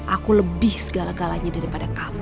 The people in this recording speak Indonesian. aku lebih segala galanya daripada kamu